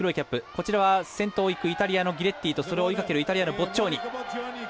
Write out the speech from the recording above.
こちらは先頭をいくイタリアのギレッティとそれを追いかけるイタリアのボッジョーニ。